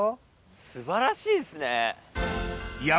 素晴らしいですね。